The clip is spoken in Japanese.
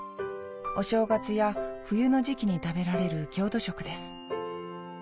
お正月や冬の時期に食べられる郷土食です。